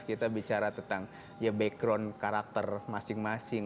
kita bicara tentang ya background karakter masing masing